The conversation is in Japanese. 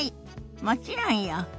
もちろんよ。